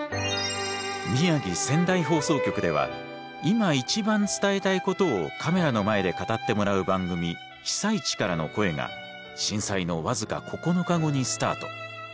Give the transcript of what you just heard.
宮城仙台放送局では「今一番伝えたいこと」をカメラの前で語ってもらう番組「被災地からの声」が震災の僅か９日後にスタート。